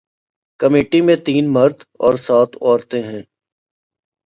committee میں تین مرد اور سات عورتیں ہیں